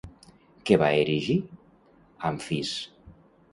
Què va erigir Amfís?